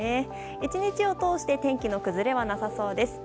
１日を通して天気の崩れはなさそうです。